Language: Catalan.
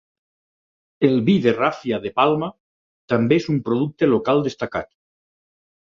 El vi de ràfia de palma també és un producte local destacat.